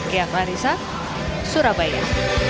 keat marissa surabaya